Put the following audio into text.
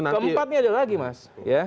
keempatnya ada lagi mas